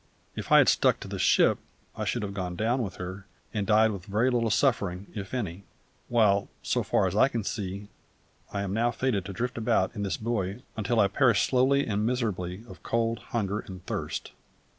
If I had stuck to the ship I should have gone down with her, and died with very little suffering, if any; while, so far as I can see, I am now fated to drift about in this buoy until I perish slowly and miserably of cold, hunger, and thirst."